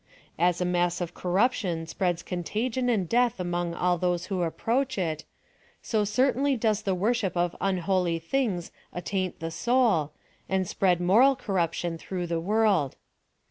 As a mass of corruption spreads contagion and death among all those who approach it, so certainly does the worship of unholy beings attaint the soul, and spread moral corruption through the world.